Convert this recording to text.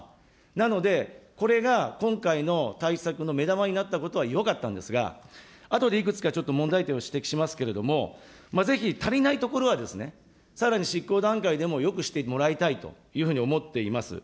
なので、これが今回の対策の目玉になったことはよかったんですが、あとでいくつか問題点を指摘しますけれども、ぜひ足りないところはですね、さらに執行段階でもよくしてもらいたいというふうに思っています。